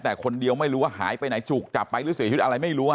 แต่คนเดียวไม่รู้ว่าหายไปไหนจุกจับไปหรือเสียชีวิตอะไรไม่รู้